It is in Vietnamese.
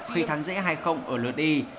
khi thắng dễ hai ở lượt đi